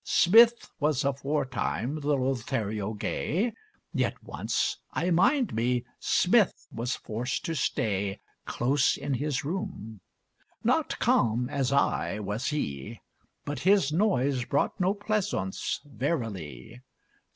Smith was aforetime the Lothario gay. Yet once, I mind me, Smith was forced to stay Close in his room. Not calm, as I, was he; But his noise brought no pleasaunce, verily.